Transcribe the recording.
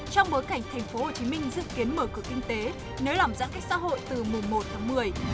trong bối cảnh tp hcm dự kiến mở cửa kinh tế nới lỏng giãn cách xã hội từ mùa một tháng một mươi